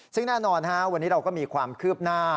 ซึ่งแน่นอนวันนี้เราก็มีความคืบหน้า